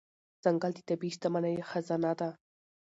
ځنګل د طبیعي شتمنۍ خزانه ده.